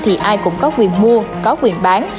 thì ai cũng có quyền mua có quyền bán